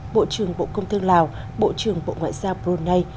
bộ trưởng bộ công thương lào bộ trưởng bộ ngoại giao brunei